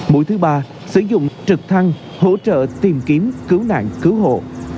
mũi thứ ba sử dụng trực thăng hỗ trợ tìm kiếm cứu nạn cứu hộ